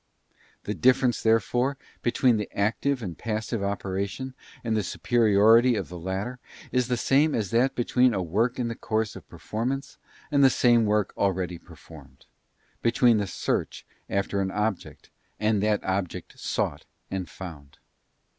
The difference therefore between the active and passive operation, and the superiority of the latter, is the same as that between a work in the course of performance, and the same work already performed ; between the search after an object, and that object sought and found.